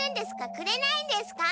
くれないんですか？